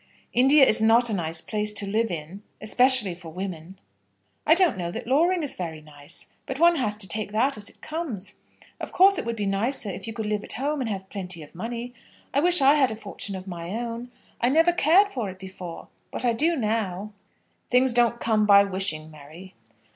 "India is not a nice place to live in especially for women." "I don't know that Loring is very nice; but one has to take that as it comes. Of course it would be nicer if you could live at home and have plenty of money. I wish I had a fortune of my own. I never cared for it before, but I do now." "Things don't come by wishing, Mary."